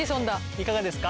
いかがですか？